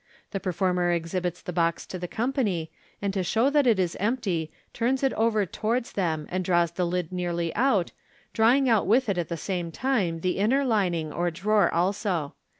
The performer exhibits the box to the company, and to show that it is empty, turns it over towards them, and draws the lid nearly out, drawing out with it at the same time the inner lining or drawer also.